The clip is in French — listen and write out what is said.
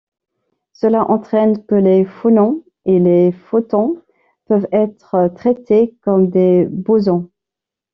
Cela entraîne que les phonons et les photons peuvent être traités comme des bosons.